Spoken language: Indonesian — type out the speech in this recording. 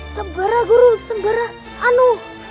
sembara guru sembara anu